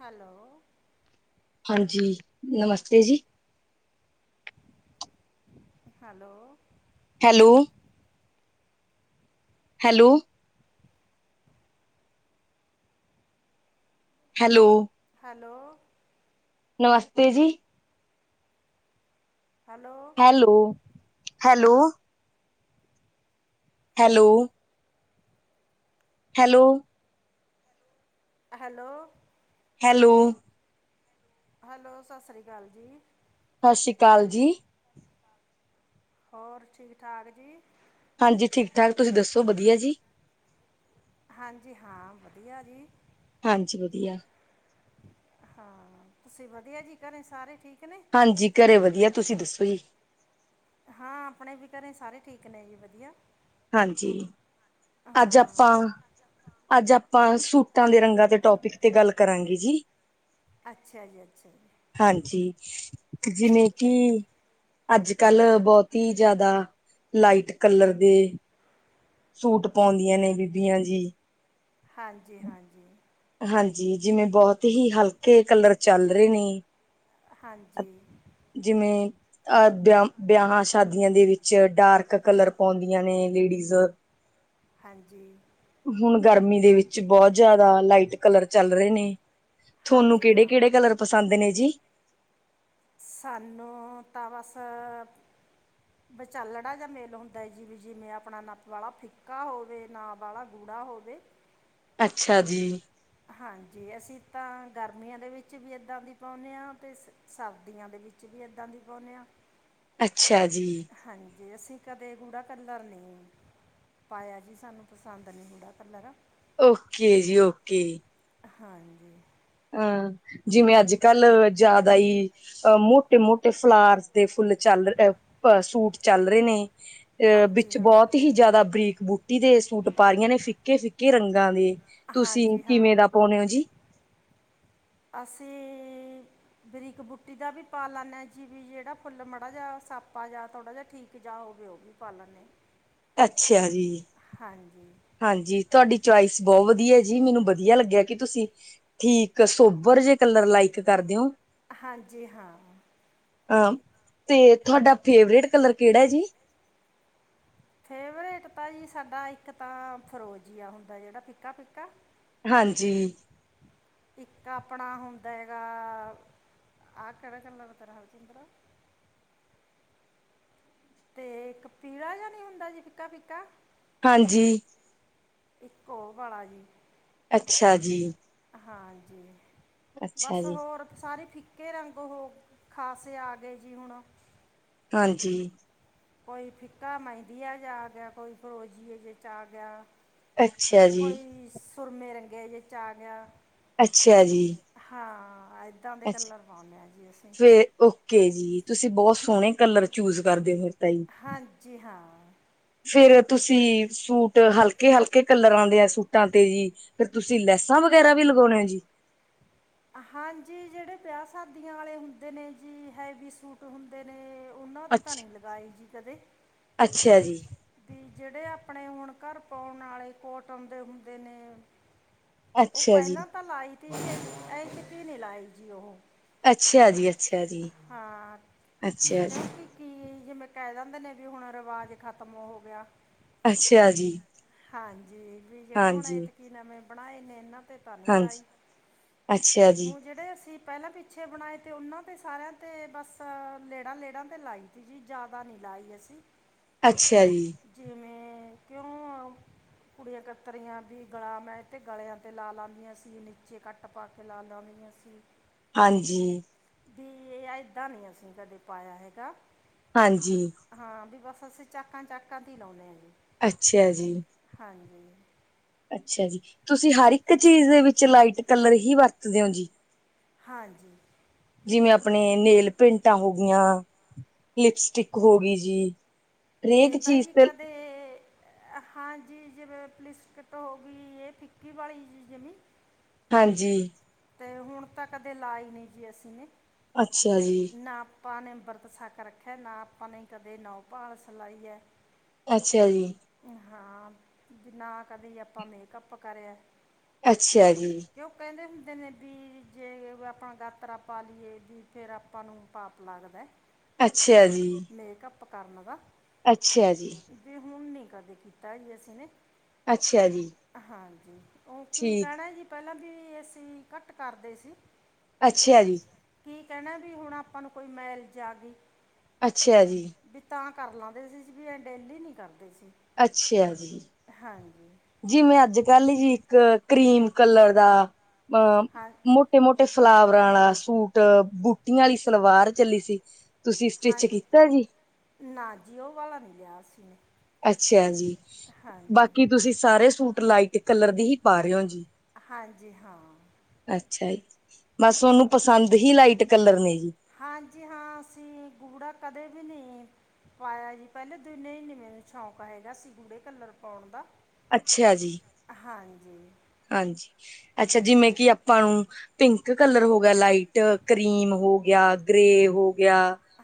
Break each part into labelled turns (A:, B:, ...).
A: Hello
B: ਹਾਂਜੀ ਨਮਸਤੇ ਜੀ
A: hello
B: hello hello hello
A: hello.
B: ਨਮਸਤੇ ਜੀ।
A: Hello.
B: Hello hello. Hello. Hello.
A: Hello.
B: Hello.
A: Hello Sat Sri ਅਕਾਲ ਜੀ।
B: ਸਤਿ ਸ਼੍ਰੀ ਅਕਾਲ ਜੀ।
A: ਹੋਰ ਠੀਕ ਠਾਕ ਜੀ।
B: ਹਾਂਜੀ ਠੀਕ ਠਾਕ ਤੁਸੀਂ ਦੱਸੋ ਵਧੀਆ ਜੀ।
A: ਹਾਂਜੀ ਹਾਂ ਵਧੀਆ ਜੀ।
B: ਹਾਂਜੀ ਵਧੀਆ।
A: ਹਾਂ, ਤੁਸੀਂ ਵਦੀਆ ਜੀ ਘਰੇ ਸਾਰੇ ਠੀਕ ਨੇ
B: ਹਾਂਜੀ, ਘਰੇ ਵਦੀਆ ਤੁਸੀ ਦੱਸੋ ਜੀ।
A: ਹਾਂ, ਆਪਣੇ ਵੀ ਘਰੇ ਸਾਰੇ ਠੀਕ ਨੇ ਜੀ ਵਦੀਆ।
B: ਹਾਂਜੀ। ਅੱਜ ਆਪਾਂ, ਅੱਜ ਆ ਆਪਾਂ ਸੂਟਾਂ ਦੇ ਰੰਗਾਂ ਤੇ ਟੋਪਿਕ ਤੇ ਗੱਲ ਕਰਾਂਗੇ ਜੀ।
A: ਅੱਛਾ ਜੀ, ਅੱਛਾ ਜੀ।
B: ਹਾਂਜੀ ਜਿਵੇਂ
A: ਠੀਕ
B: ਕਿ
A: ਹੈ
B: ਅੱਜ-ਕੱਲ ਬੋਤੀ ਜਾਦਾ ਲਾਈਟ ਕੱਲਰ ਦੀ ਸੂਟ ਪਾਉਂਦੀਆਂ ਨੇ ਬੀਬੀਆਂ ਜੀ।
A: ਹਾਂਜੀ ਹਾਂਜੀ।
B: ਹਾਂਜੀ, ਜਿਵੇਂ ਬੋਹਤ ਈ ਹਲਕੇ ਕਲਰ ਚੱਲ ਰਏ ਨੇ। ਅ
A: ਹਾਂਜੀ
B: ਜਿਵੇਂ ਅ ਬੇ ਬੇਯਾਂ ਹਾਂ ਸ਼ਾਦੀਆਂ ਦੇ ਵਿੱਚ, ਡਾਰਕ ਕਲਰ ਪਾਊਂਦੀਆਂ ਨੇ ਲੇੜੀਜ਼।
A: ਹਾਂਜੀ।
B: ਹੁਣ ਗਰਮੀ ਦੇ ਵਿੱਚ ਬੋਤ ਜੇਆਦਾ ਲਾਈਟ ਕੱਲਰ ਚੱਲ ਰਏ ਨੇ। ਤੁਹਾਨੂੰ
A: ਹਾਂਜੀ
B: ਕਿਹੜੇ
A: ਹਾਂ
B: ਕਿਹੜੇ ਕਲਰ ਪਸੰਦ ਨੇ ਜੀ।
A: ਸਾਨੂੰ ਤਾਂ ਬਸ ਬਚਾਲੜਾ ਜਾ ਮੇਲ ਹੁੰਦੈ। ਜਿਮੇ, ਜਿਮੇ ਆਪਣਾ ਨਾ ਵਾਲਾ ਫਿੱਕਾ ਹੋਵੇ ਨਾ ਵਾਲਾ ਗੂ [unintelligible]
B: ਅੱਛਾ ਜੀ।
A: ਹਾਂਜੀ, ਅਸੀਂ ਤਾਂ ਗਾਰਮੀਆਂ ਦੇ ਵਿੱਚ ਵੀ ਏਦਾਂ ਦੀ ਪਾਂਓਨੇ ਆਂ, ਤੇ ਸ ਸ ਸਾਰਦੀਆਂ ਦੇ ਵਿੱਚ ਵੀ ਏਦਾਂ ਦੀ ਪਾਉਨੇ ਆ
B: ਅੱਛਾ ਜੀ।
A: ਜੇ ਅਸੀਂ ਕਦੇ ਗੂੜਾ ਕੱਲਰ ਨਈ ਪਾਏਆ ਜੀ, ਸਾਨੂੰ ਪਸੰਦ ਨੀ ਹੂੰਦਾ ਕੱਲਰ।
B: ਓਕੇ ਜੀ, ਓਕੇ ਜੀ।
A: ਹਾਂਜੀ।
B: ਅਂ, ਜਿਵੇਂ ਅੱਜ-ਕੱਲ੍ ਜ਼ਿਆਦਾ ਈ, ਅ ਮੋਟੇ ਮੋਟੇ ਫਲਾਰਸ ਦੇ ਫੁਲ [unintelligible] ਸੂਟ ਚੱਲ ਰੇ ਨੇ। ਅ
A: ਹਾਂਜੀ
B: ਵਿੱਚ
A: ਹਾਂ
B: ਬੋਤ ਹੀ ਜ਼ਿਆਦਾ ਬਰੀਕ ਬੂਟੀ ਦੇ, ਸੂਟ ਪਾ ਰੀਆਂ ਨੇ ਫਿੱਕੇ, ਫਿੱਕੇ ਕਿ ਰੰਗਾਂ ਦੇ, ਤੁਸੀਂ
A: ਹਾਂਜੀ ਹਾਂ
B: ਕਿਵੇਂ ਦਾ ਪਾਊਨੇ ਓ ਜੀ?
A: [inaudible] ਅਸੀਂ, ਬਰੀਕ ਬੂਟੀ ਦਾ ਵੀ ਪਾ ਲੈਨੇ ਆਂ ਜੀ ਵੀ ਜੇੜਾ ਫੁੱਲ ਮਾੜਾ ਜੇਆ ਆਪਾ ਯਾ ਥੋੜਾ ਜੇਆ ਠੀਕ ਜਾ ਹੋਵੇ, ਓ ਵੀ ਪਾ ਲੈਨੇ ਆ।
B: ਅੱਛਾ ਜੀ। ਹਾਂਜੀ, ਤੁਹਾਡੀ ਚੋਇਸ ਬੋਅ ਵਦੀਆ ਜੀ, ਮੈਨੂੰ ਬਦੀਆ ਲੱਗੇਆ ਕਿ ਤੁਸੀਂ ਠੀਕ ਸੋਬਰ ਕੇਓਜੇ ਕੱਲਰ ਲਾਈਕ ਕਰ ਦੇਓ?
A: ਹਾਂਜੀ ਹਾਂ।
B: ਅ ਤੇ ਤੁਹਾਡਾ ਫੇਵਰੇਟ ਕੱਲਰ ਕੇੜਾ ਜੀ?
A: ਫੇਵਰੇਟ ਤਾਂ ਜੀ ਸਾਡਾ ਇੱਕ ਤਾਂ ਫਰੋਜੀ ਅ ਹੁੰਦਾ ਜੇੜਾ ਫਿਕਾ, ਫਿਕਾ
B: ਹਾਂਜੀ।
A: ਇੱਕ ਆਪਣਾ ਹੁੰਦਾ ਹੈਗਾ ਆ ਕੇੜਾ ਕੱਲਰ ਕਰਾ ਹਰਜੀਂਦਰ? ਤੇ ਇੱਕ ਪੀਲਾ਼ ਜੇਆ ਨੀ ਹੁੰਦਾ ਜੀ ਫਿੱਕਾ, ਫਿੱਕਾ।
B: ਹਾਂਜੀ।
A: ਇੱ ਓ ਵਾਲਾ਼ ਜੀ।
B: ਅੱਛਾ ਜੀ।
A: ਹਾਂਜੀ,
B: ਅੱਛਾ
A: ਬਸ
B: ਜੀ
A: ਹੋਰ ਸਾਰੇ ਫਿਕ ਕੇ ਰੰਗ ਹੋ ਖਾਸੇ ਆ ਗਏ ਜੀ ਹੁਣ।
B: ਹਾਂਜੀ।
A: ਕੋਈ ਫਿੱਕਾ ਮੈਂਦੀਆ ਜੇਆ ਆ ਗੇਆ, ਕੋਈ ਫਰੋਜੀਏ ਚ ਆ ਗੇਆ।
B: ਅੱਛਾ ਜੀ,
A: ਕੋਈ ਸੁਰਮੇ ਰੰਗੇ ਜੇ ਚ ਆ ਗੇਆ।
B: ਅੱਛੇਯਾ ਜੀ।
A: ਹਾਂ ਆ
B: ਅੱਛਾ, ਫੇਰ ਓਕੇ ਜੀ। ਤੁਸੀਂ ਬੋਤ ਸੋਣੇ ਕੱਲਰ ਚੂਯਜ ਕਰਦੇ ਫੇਰ ਤਾ ਜੀ।
A: ਹਾਂਜੀ ਹਾਂ
B: ਫੇਰ ਤੁਸੀਂ, ਸੂਟ ਹਲਕੇ-ਹਲਕੇ ਕਲਰਾਂ ਦੇ ਆਂ ਸੂਟਾਂ ਤੇ ਜੀ ਫੇਰ ਤੁਸੀਂ ਲੈਸਾਂ ਵਗੈਰਾ ਵੀ ਲਗਾਓਨੇ ਆ ਜੀ।
A: [inaudible] ਹਾਂਜੀ। ਜੇੜੇ ਬੇਯਾ ਸਾਦੀਆਂ ਵਾਲੇ ਹੁੰਦੇ ਨੇ ਜੀ, ਹੈਵੀ ਸੂਟ ਹੁੰਦੇ ਨੇ ਓਨਾਂ ਤੇ ਤਾਂ ਨਈ
B: ਅੱਛਾ।
A: ਲਗਾਈ ਜੀ ਕਦੇ।
B: ਅੱਛਾ ਜੀ,
A: ਬੀ ਜੇੜੇ ਆ ਆਪਣੇ ਹੁਣ ਘਰ ਪਾਓਣ ਆਲੇ਼ ਕੋਟਨ ਦੇ ਹੁੰਦੇ ਨੇ ਓ
B: ਅੱਛਾ ਜੀ,
A: ਪੈਲਾਂ ਤਾਂ ਲਾਈ ਤੀ ਜੀ, [inaudible] ਐਤਕੀ ਨੀ ਲਾਈ ਜੀ ਓਹ।
B: ਅੱਛੇਯਾ ਜੀ, ਅੱਛਾ ਜੀ,
A: ਹਾਂ
B: ਅੱਛਾ ਜੀ।
A: ਜਿਮੇਂ ਕੈ ਦੰਦੇ ਨੇ ਵੀ ਹੋਣ ਰਵਾਜ ਖਤਮ ਹੋ ਗੇਆ।
B: ਅੱਛਾ ਜੀ,
A: ਹਾਂਜੀ, ਵੀ ਜੇੜੇ ਹੋਣ
B: ਹਾਂਜੀ,
A: ਐਤਕੀ ਨਮੇ ਬਣਾਏ ਨੇ ਏਨਾ ਤੇ ਤਾ ਨਈ ਲਾਈ।
B: ਹਾਂਜੀ, ਅੱਛਾ ਜੀ।
A: ਅਸੀ ਪੈਲਾਂ ਪਿੱਛੇ ਬਣਾਏ ਤੇ, ਓਨਾਂ ਤੇ ਸਾਰੇਆਂ ਤੇ ਬਸ ਲੇੜਾਂ, ਲੇੜਾਂ ਤੇ ਲਾਈ ਦੀ ਜੀ ਜਿਆ [unintelligible] ਲਾਈ ਅਸੀਂ।
B: ਅੱਛੇਯਾ ਜੀ।
A: ਹੂੰ ਮ ਕੇਓਂ ਕੁੜੀਆਂ ਕੱਤਰੀਆਂ ਬੀ ਗਲਾਮ ਐ ਤੇ ਗਲੇਆਂ ਤੇ ਲਾ ਲਾਦੀਆਂ ਸੀ ਨੀਚੇ ਕੱਟ ਪਾ ਕੇ ਲਾ ਲਾਉਂਨੀਆਂ ਸੀ।
B: ਹਾਂਜੀ।
A: ਬੀ ਏਹ ਐਦਾ ਨੀ ਅਸੀਂ ਕਦੇ ਪਾਏਆ ਹੈਗਾ,
B: ਹਾਂਜੀ,
A: ਹਾਂ ਬੀ ਬਸ ਅਸੀਂ ਚਾਕਾਂ, ਚਾਕਾਂ ਤੇ ਈ ਲਾਓਨੇ ਆਂ ਜੀ।
B: ਅੱਛਾ ਜੀ।
A: ਹਾਂਜੀ।
B: ਅੱਛਾ ਜੀ। ਤੁਸੀ ਹਰ ਇੱਕ ਚੀਜ਼ ਦੇ ਵਿੱਚ ਲਾਈਟ ਕੱਲਰ ਹੀ ਵਰਤਦੇ ਓ ਜੀ?
A: ਹਾਂਜੀ
B: ਜਿਵੇਂ ਆਪਣੇ ਨੇਲ ਪੇਟਾਂ ਹੋ ਗਿਆਂ, ਲਿਪਸਟਿਕ ਹੋ ਗੀ ਜੀ।
A: ਏ
B: ਹਰੇਕ
A: ਤਾ
B: ਚੀਜ਼
A: ਜੀ
B: ਤੇ
A: ਕਦੇ ਹਾਂਜੀ, ਜਿਵੇ ਪਲਿਸਕਟ ਹੋ ਗਈ ਏ ਫਿੱਕੀ ਵਾਲੀ਼ ਜੀ ਜੀਮੀ।
B: ਹਾਂਜੀ
A: ਤੇ ਹੁਣ ਤਾਂ ਕਦੇ ਲਾਈ ਨੀ ਜੀ ਅਸੀ ਨੇ
B: ਅੱਛਾ ਜੀ।
A: ਨਾ ਆਪਾਂ ਨੇ ਅੰਬ੍ਰਤ ਸਾਕ ਰੱਖੇਆ, ਨਾ ਆਪਾ ਨੇ ਕਦੇ ਨੌਪਾਲਸ ਲਾਈ ਐ
B: ਅੱਛੇਯਾ ਜੀ।
A: ਹਾਂ, ਬੀ ਨਾ, ਕਦੀ ਆਪਾਂ ਮੇਕਅੱਪ ਕਰੇਆ
B: ਅੱਛਾ ਜੀ।
A: ਕੈਂਦੇ ਨੇ ਬੀ ਜੇ, ਵ ਅ ਆਪਾਂਂ ਗਾਤਰਾ ਪਾ ਲੀਏ ਵੀ ਫੇਰ ਆਪਾਂ ਨੂੰ ਪਾਪ ਲੱਗਦੈ।
B: ਅੱਛੇਯਾ ਜੀ।
A: ਅਪ ਕਰਨ ਦਾ।
B: ਅੱਛੇਯਾ ਜੀ।
A: ਵੀ ਹੁਣ ਨਹੀਂ ਕਦੇ ਕੀਤਾ ਈ ਨੀ ਅਸੀਂ ਨੇ।
B: ਅੱਛਾ ਜੀ। ਠੀਕ
A: ਪੈਲਾਂ ਬੀ ਅਸੀ ਘੱਟ ਕਰਦੇ ਸੀ।
B: ਅੱਛਯਾ ਜੀ।
A: ਕੀ ਕੈਣਾ ਬੀ, ਹੋਣ ਆਪਾਂ ਨੂੰ ਕੋਈ ਮੈਲ ਜਾ ਗੀ।
B: ਅੱਛਯਾ ਜੀ।
A: ਕਰ ਲਾਂਦੇ ਸੀ, ਬੀ ਐਂ ਡੇਲੀ ਨੀ ਕਰਦੇ ਸੀ।
B: ਅੱਛਯਾ ਜੀ।
A: ਹਾਂਜੀ
B: ਜਿਵੇਂ, ਅੱਜ- ਕੱਲ ਜੀ, ਇੱਕ ਕ੍ਰੀਮ ਕੱਲਰ ਆ ਅ
A: ਹਾਂ
B: ਮੋਟੇ, ਮੋਟੇ ਫਲਾਵਰਾਂ ਆਲਾ਼ ਸੂਟ, ਬੂਟੀਆਂ ਆਲੀ਼ ਸਲਵਾਰ ਚੱਲੀ ਸੀ ਤੁਸੀਂ ਸਟਿਚ
A: ਹਾਂਜੀ,
B: ਕੀਤਾ ਜੀ
A: ਹਾਂਜੀ ਨਾ ਜੀ ਓ ਵਾਲਾ ਨੀ ਲੇਆ ਅਸੀ ਨੇ।
B: ਅੱਛਯਾ ਜੀ।
A: ਹਾਂਜੀ
B: ਬਾਕੀ ਤੁਸੀ ਸਾਰੇ ਸੂਟ ਲਾਈਟ ਕੱਲਰ ਦੇ ਹੀ ਪਾ ਰੇ ਓਜੀ।
A: ਹਾਂਜੀ, ਹਾਂ।
B: ਅੱਛਾ ਜੀ। ਬਸ ਓਨੂੰ
A: ਹਾਂਜੀ ਹਾਂ, ਅਸੀਂ ਗੂੜਾ ਕਦੇ ਵੀ ਨਈ। ਪਾਏਆ ਜੀ, ਪੈਲੇ ਦਿਨ ਏ ਨਈ ਮੈਨੂੰ ਸ਼ੌਕ ਹੈਗਾ ਸੀ। ਗੂੜੇ ਕਲਰ ਪੌਣ ਦਾ।
B: ਅੱਛਯਾ ਜੀ।
A: ਹਾਂਜੀ
B: ਹਾਂਜੀ, ਅੱਛਾ। ਜਿਮੇਂ ਕਿ ਆਪਾਂ ਨੂੰ ਪਿੰਕ ਕਲਰ ਹੋ ਗੇਆ ਲਾਈਟ ਕਰੀਮ ਹੋ ਗਿਆ, ਗ੍ਰੇ ਹੋ ਗਿਆ,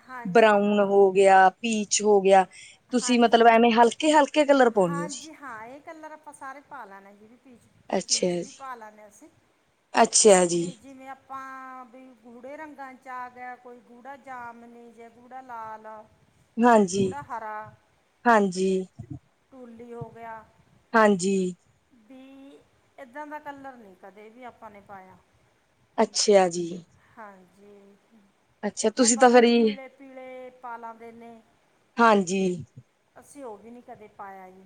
A: ਹਾਂਜੀ
B: ਬਰਾਊਨ
A: ਹਾਂ
B: ਹੋ ਗਿਆ, ਪੀਚ ਹੋ ਗਿਆ। ਤੁਸੀਂ
A: ਹਾਂਜੀ
B: ਮਤਲਬ
A: ਹਾਂ,
B: ਐਵੇਂ ਹਲਕੇ ਹਲਕੇ ਕਲਰ ਪਾਉਣੇ ਹੋ ਜੀ।
A: ਹਾਂਜੀ ਹਾਂ, ਏ ਕਲਰ ਆਪਾਂ ਸਾਰੇ ਪਾ ਲੈਣੇ।
B: ਅੱਛਾ
A: ਪੀਚ ਵੀ
B: ਜੀ।
A: ਪਾ ਲੈਂਨੇ ਆਂ ਅਸੀ,
B: ਅੱਛਾ ਜੀ
A: ਬੀ ਜੀਮੇ ਆ ਤਾਂ, ਬਈ ਗੂੜੇ ਰੰਗਾਂ ਚ ਆ ਗੇਆ ਕੋਈ ਗੂੜਾ ਜਾਮਨੀ ਜੇ ਗੂੜਾ ਲਾਲ।
B: ਹਾਂਜੀ,
A: ਗੂੜਾ ਹਰਾ
B: ਹਾਂਜੀ।
A: ਕੁਲੀ ਹੋ ਗੇਆ
B: ਹਾਂਜੀ।
A: ਬੀ, ਐਦਾਂ ਦਾ ਕੱਲਰ ਨੀ ਕਦੇ ਵੀ ਆਪਾਂ ਨੇ ਪਾਏਆ।
B: ਅੱਛਯਾ ਜੀ।
A: ਜਿਵੇਂ ਕਿ,
B: ਅੱਛਾ
A: ਕਈ
B: ਤੁਸੀਂ ਤਾਂ ਫੇਰ
A: ਬਾਲੇ਼ ਪੀਲੇ਼, ਪੀਲੇ਼ ਪਾ ਲੈਂਦੇ ਨੇ।
B: ਹਾਂਜੀ।
A: ਅਸੀਂ ਓ ਵੀ ਨੀ ਕਦੇ ਪਾਏਆ ਜੀ।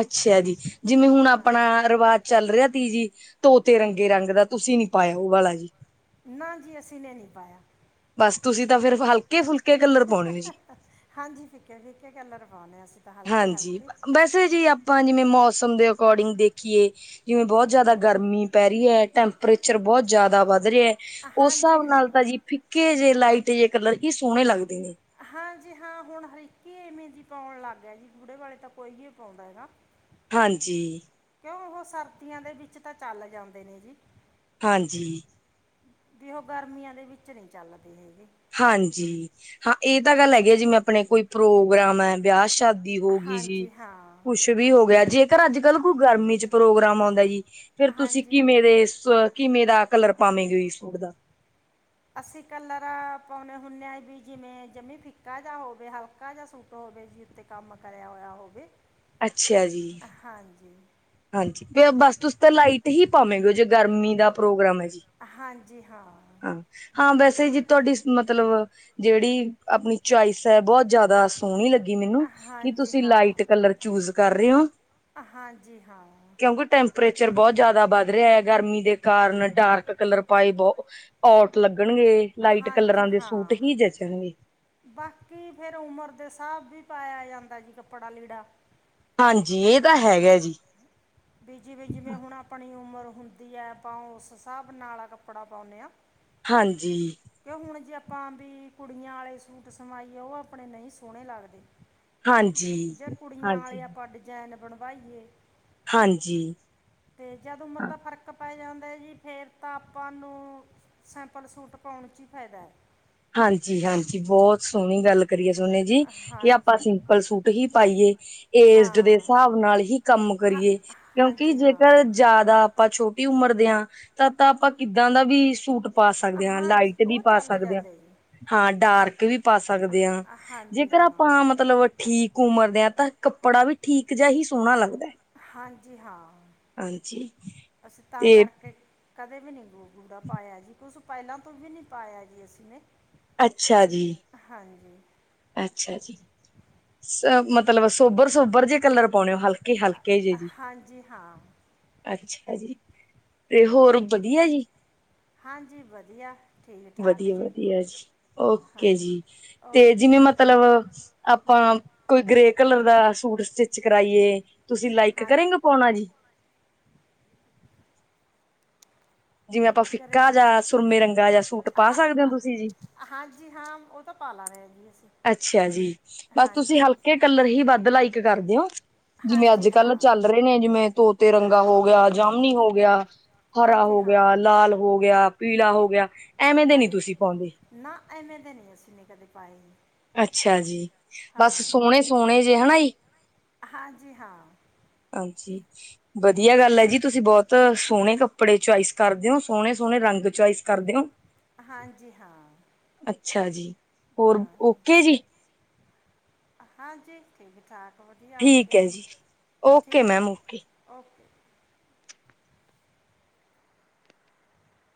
B: ਅੱਛਯਾ ਜੀ, ਜਿਮੇਂ ਹੁਣ ਆਪਣਾ
A: ਹਾਂਜੀ
B: ਰਵਾਜ਼ ਚੱਲ ਰੇਆ ਤੀ ਜੀ ਤੋਤੇ ਰੰਗੇ ਰੰਗ ਦਾ ਤੁਸੀ ਨੀ ਪਾਏਆ ਓ ਆਲਾ਼ ਜੀ।
A: ਨਾ ਜੀ, ਅਸੀਂ ਨੇ ਨੀ ਪਾਯਾ।
B: ਬ ਤੁਸੀਂ ਤਾਂ ਫੇਰ ਹਲਕੇ ਫੁਲਕੇ ਕਲਰ ਪਾਉਣੇ ਹੋ ਜੀ।
A: ਹਾਂਜੀ ਫਿਕੇ, ਫਿਕੇ ਕੱਲਰ ਪਾਓਨੇ ਅਸੀਂ। ਤਾਂ ਹਲਕੇ
B: ਹਾਂਜੀ,
A: ਹਲਕੇ
B: ਬੈਸੇ ਜੀ ਆਪਾਂ ਜਿਮੇਂ ਮੌਸਮ ਦੇ ਅਕੋਡਿੰਗ ਦੇਖੀਏ ਜਿਵੇਂ ਬੋਤ ਜਾਦਾ ਗਰਮੀ ਪੈ ਰੀ ਐ, ਟੈਂਪਰੇਚਰ ਬੋਤ ਜਾਦਾ ਵੱਦ ਰੇਯਾ ਓਸ
A: ਹਾਂਜੀ
B: ਸਾਬ ਨਾਲ
A: ਹਾਂ
B: ਤਾਂ ਜੀ, ਫਿੱਕੇ ਜੇ ਲਾਈਟ ਜੇ ਕਲਰ ਈ ਸੋਣੇ ਲੱਗ
A: ਹਾਂਜੀ ਹਾਂ, ਹੁਣ ਹਰੇ ਕੀ ਐਮੇ ਜੀ। ਪੌਣ ਲੱਗ ਗੇ ਜੀ, ਗੂੜੇ ਵਾਲੇ ਤਾਂ ਕੋਈ ਨੀਂ ਪੌਂਦਾ ਹੈਗਾ।
B: ਹਾਂਜੀ।
A: ਕੇਓਂ ਓ, ਸਾਰਦੀਆਂ ਦੇ ਬਿਚ ਤਾਂ ਚੱਲ ਜਾਂਦੇ ਨੇ ਜੀ।
B: ਹਾਂਜੀ।
A: ਬੀ ਓਹ, ਗਰਮੀਆਂ ਦੇ ਵੀਚ ਨਈ ਚੱਲਦੇ ਹੈਗੇ।
B: ਹਾਂਜੀ, ਹਾਂ ਏ ਤਾਂ ਗੱਲ ਹੈਗੀ ਜਿਮੇ ਆਪਣੇ ਕੋਈ ਪ੍ਰੋਗਰਾਮ ਐ ਬੇਆ ਸਾ਼ਦੀ ਹੋ ਗਈ ਜੀ
A: ਹਾਂਜੀ ਹਾਂ
B: ਕੁਛ ਵੀ ਹੋ ਗੇਆ, ਜੇਕਰ ਅੱਜ-ਕੱਲ੍ਹ ਕੋਈ ਗਰਮੀ ਚ ਪ੍ਰੋਗਰਾਮ ਆਂਓਦਾ ਜੀ ਫੇਰ ਤੁਸੀਂ
A: ਹਾਂਜੀ
B: ਕਿਵੇਂ ਦੇ ਸ ਕਿਵੇਂ ਦਾ ਕਲਰ ਪਾਨੇ ਹੈ ਜੀ ਸੂਟ ਦਾ?
A: ਅਸੀ ਕੱਲਰ ਪੌਣੇ ਹੁੰਨੇਂ ਆ, ਵੀ ਜਿਮੇਂ ਜਮੀ ਫਿੱਕਾ ਜਾ ਹੋਵੇ ਹਾਲਕਾ ਜੇਯਾ ਸੂਟ ਹੋਵੇ ਹੋਵੇ ਜੀ, ਉੱਤੇ ਕੰਮ ਕਰੇਆ ਹੋਏਆ ਹੋਬੇ
B: ਅੱਛਾ ਜੀ
A: ਹਾਂਜੀ।
B: ਹਾਂਜੀ, ਕੇ ਅ ਬਸ ਤੁਸੀ ਤਾਂ ਲਾਈਟ ਹੀ ਪੌਨੇ ਹੋ, ਜੇ ਗਰਮੀ ਦਾ ਪ੍ਰੋਗਰਾਮ ਐ ਜੀ।
A: ਹਾਂਜੀ, ਹਾਂ।
B: ਹਾਂ, ਬੈਸੇ ਜੀ ਤੁਆਡੀ ਸ ਮਤਲਬ ਜੇੜੀ ਆਪਨੀ ਚੋਇਸ ਐ ਬੋਤ ਜੇਆਦਾ ਸੋਣੀ ਲੱਗੀ। ਮੈਨੂੰ ਕੀ
A: ਹਾਂਜੀ
B: ਤੁਸੀਂ
A: ਹਾਂ
B: ਲਾਈਟ ਕਲਰ ਚੂਜ਼ ਕਰ ਰਏ ਓ।
A: ਹਾਂਜੀ ਹਾਂ
B: [unintelligible] ਟਪਰੇਚਰ ਬਹੁਤ ਜ਼ਿਆਦਾ ਵੱਧ ਰਿਹਾ ਹੈ। ਗਰਮੀ ਦੇ ਕਾਰਨ, ਡਾਰਕ ਕਲਰ ਪਾਈ ਬਹੁਤ ਔਟ ਲੱ ਲੱਗਣਗੇ। ਲਾਈਟ ਕਲਰਾਂ
A: ਹਾਂਜੀ
B: ਦੇ ਸੂਟ
A: ਹਾਂ
B: ਹੀ ਜਚਣਗੇ।
A: ਬਾਕੀ ਫਿਰ ਉਮਰ ਦੇ ਹਿਸਾਬ ਵੀ ਪਾਇਆ ਜਾਂਦਾ ਜੀ। ਕੱਪੜਾ ਲੀੜਾ।
B: ਹਾਂਜੀ, ਇਹ ਤਾਂ ਹੈਗਾ ਜੀ।
A: ਬੀ ਜੀਵੇ- ਜਿਵੇਂ, ਹੁਣ ਆਪਣੀ ਉ- ਉਮਰ ਹੁੰਦੀ ਹੈ। ਤਾਂ, ਉਸ ਹਿਸਾਬ ਨਾਲ ਕੱਪੜਾ ਪਾਉਂਦੇ ਆ।
B: ਹਾਂਜੀ।
A: ਕਿ, ਹੁਣ ਜੇ ਆਪਾਂ, ਵੀ ਕੁੜੀਆਂ ਆਲੇ ਸੂਟ ਸਵਾਈਏ। ਉਹ ਆਪਣੇ ਨਹੀਂ ਸੋਹਣੇ ਲੱਗਦੇ।
B: ਹਾਂਜੀ,
A: ਜੇ ਕੁੜੀਆਂ ਵਾਲੇ
B: ਹਾਂਜੀ।
A: ਆਪਾਂ ਡਿਜ਼ਾਈਨ ਬਣਵਾਈਏ।
B: ਹਾਂਜੀ
A: ਤੇ, ਜਦ ਉਮਰ ਦਾ ਫ਼ਰਕ ਪੈ ਜਾਂਦਾ। ਤੇ ਜੀ ਫੇਰ, ਤਾਂ ਆਪਾਂ ਨੂੰ ਸੈਂਪਲ ਸੂਟ, ਪਾਉਣ ਚ ਹੀ ਫਾਇਦਾ ਹੈ।
B: ਹਾਂਜੀ- ਹਾਂਜੀ, ਬਹੁਤ ਸੋਹਣੀ ਗੱਲ। ਕਰੀਏ ਸੋਨੇ ਜੀ। ਕਿ ਆਪਾਂ
A: ਹਾਂਜੀ
B: ਸਿੰਪਲ ਸੂਟ ਹੀ ਪਾਈਏ।
A: ਹਾਂ
B: ਏਜਡ ਦੇ ਹਿਸਾਬ ਨਾਲ ਹੀ ਕੰਮ
A: ਹਾਂ
B: ਕਰੀਏ। ਕਿਉਂਕਿ,
A: ਹਾਂਜੀ
B: ਜੇਕਰ
A: ਹਾਂ
B: ਜ਼ਿਆਦਾ ਆਪਾਂ ਛੋਟੀ ਉਮਰ ਹ। ਤਾਂ, ਤਾਂ ਆਪਾਂ ਕਿੱਦਾਂ ਦਾ ਵੀ ਸੂਟ ਪਾ ਸਕਦੇ ਹਾਂ
A: ਹਾਂਜੀ
B: ਲਾਈਟ ਵੀ
A: ਉਹ
B: ਪਾ
A: ਚੱਲ
B: ਸਕਦੇ ਹਾਂ।
A: ਜਾਂਦੇ ਜੀ
B: ਹਾਂ। ਡਾਰਕ ਵੀ, ਪਾ ਸਕਦੇ ਹਾਂ।
A: ਹ ਹਾਂਜੀ
B: ਜੇਕਰ
A: ਹਾਂ
B: ਆਪਾਂ ਮਤਲਬ, ਠੀਕ ਉਮਰ ਦੇ ਹਾਂ। ਤਾਂ ਕੱਪੜਾ ਵੀ ਠੀਕ ਜੇਆ ਹੀ ਸੋਣਾ ਲੱਗਦਾ ਐ।
A: ਹਾਂਜੀ ਹਾਂ, ਅਸੀ ਤਾਂ
B: ਤੇ
A: ਕਰਕੇ ਕਦੇ ਵੀ ਨੀ ਗੂ ਗੂੜਾ ਪਾਏਆ ਜੀ, ਕੁਸ ਪੈਲਾਂ ਤੋਂ ਵੀ ਨੀ ਪਾਏਆ ਜੀ ਅਸੀਂ ਨੇ।
B: ਅੱਛਾ ਜੀ।
A: ਹਾਂਜੀ
B: ਅੱਛਾ ਜੀ। ਅ ਮਤਲਬ ਸੋਬਰ- ਸੋਬਰ, ਜਿਹੇ ਕਲਰ ਪਾਉਣੇ ਹੋ। ਹਲਕੇ ਇਹ ਹਲਕੇ ਜੇ ਜੀ।
A: ਹਾਂਜੀ ਹਾਂ
B: ਅੱਛਾ। ਤੇ, ਹੋਰ ਵਧੀਆ ਜੀ?
A: ਹਾਂਜੀ, ਵਧੀਆ, ਠੀਕ- ਠਾਕ ਜੀ।
B: ਵਧੀਆ-ਵਧੀਆ ਜੀ
A: ਹਾਂ,
B: ਓਕੇ ਜੀ। ਤੇ
A: ਓਕੇ।
B: ਜਿਵੇਂ
A: ਜੀ
B: ਮਤਲਬ, ਆਪਾਂ, ਕੋਈ ਗ੍ਰੇ ਕਲਰ ਦਾ ਸੂਟ ਸਟਿਚ ਕਰਾਈਏ। ਤੁਸੀਂ, ਲਾਈਕ
A: ਹਾਂਜੀ
B: ਕਰੇਂਗੇ ਪਾਉਣਾ ਜੀ। ਜਿਵੇਂ ਆਪਾਂ ਫਿਕਾ
A: ਗਰੇਟ
B: ਜਾ, ਸੁਰਮੇ ਰੰਗਾ ਜਾ ਸੂਟ ਪਾ
A: ਹਾਂ
B: ਸਕਦੇ ਹੋ? ਤੁਸੀਂ ਜੀ।
A: ਹਾਂਜੀ ਹਾਂ ਉਹ ਤਾਂ ਪਾ ਲਾਂਗੇ ਜੀ ਅਸੀਂ
B: ਅੱਛਾ, ਜੀ। ਬਸ ਤੁਸੀਂ
A: ਹਾਂਜੀ
B: ਹਲਕੇ ਕਲਰ ਹੀ, ਬੱਦਲ- ਲਾਈਕ ਕਰਦੇਓ। ਜਿਵੇਂ ਅੱਜ
A: ਹਾਂਜੀ
B: ਕੱਲ,
A: ਹਾਂ
B: ਚੱਲ ਰਹੇ ਨੇ ਜਿਵੇਂ ਤੋਤੇ ਰੰਗ। ਗਾ ਹੋ ਗਿਆ, ਜਾਮਨੀ ਹੋ ਗਿਆ, ਹਰਾ
A: ਹਾਂਜੀ
B: ਹੋ ਗਿਆ, ਹੋ
A: ਹਾਂ
B: ਗਿਆ, ਲਾਲ ਹੋ ਗਿਆ, ਪੀਲਾ ਹੋ ਗਿਆ ਐਵੇਂ ਦੇ ਨੀ
A: ਹਾਂਜੀ
B: ਤੁਸੀਂ ਪਾਉਂਦੇ।
A: ਨਾ। ਐਵੇਂ ਦੇ ਨਹੀਂ, ਅਸੀਂ ਨੇ ਕਦੇ ਪਾਏ।
B: ਅੱਛਾ ਜੀ, ਬਸ
A: ਹਾਂ
B: ਸੋਹਣੇ- ਸੋਹਣੇ ਜੇ ਹੈਨਾ, ਜੀ।
A: ਹਾਂਜੀ, ਹਾਂ।
B: ਹਾਂਜੀ ਵਧੀਆ ਗੱਲ ਹੈ, ਜੀ। ਤੁਸੀਂ ਬਹੁਤ ਸੋਹਣੇ ਕੱਪੜੇ ਚੁਆਇਸ ਕਰਦੇ ਹੋ। ਸੋਹਣੇ- ਸੋਹਣੇ ਰੰਗ ਚੋਇਸ ਕਰਦੇ ਹੋ।
A: ਹਾਂਜੀ, ਹਾਂ।
B: ਅੱਛਾ ਜੀ। ਹੋਰ,
A: ਹਾਂ
B: ਓਕੇ ਜੀ।
A: ਹਾਂਜੀ, ਠੀਕ- ਠਾਕ। ਵਧੀਆ,
B: ਠੀਕ
A: ਓਕੇ
B: ਹੈ
A: ਜੀ।
B: ਓਕੇ
A: ਠੀਕ ਹੈ।
B: ਮੈਮ
A: ਜੀ,
B: ਓਕੇ
A: ਓਕੇ।